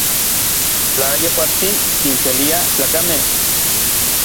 Tla yejuatsin kinselia tlakamej.